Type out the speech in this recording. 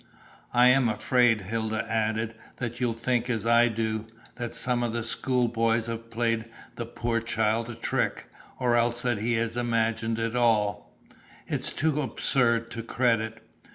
I am afraid," Hilda added, "that you'll think as I do, that some of the school boys have played the poor child a trick, or else that he has imagined it all. It's too absurd to credit.